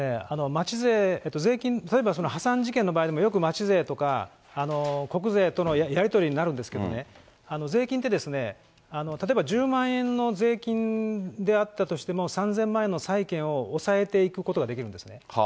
町税、税金、例えば破産事件の場合でも、よく町税とか、国税とのやり取りになるんですけどね、税金って、例えば、１０万円の税金であったとしても、３０００万円の債権を押さえていくことができるんですね。